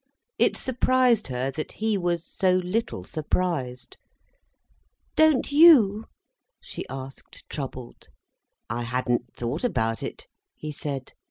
It surprised her that he was so little surprised. "Don't you?" she asked troubled. "I hadn't thought about it," he said.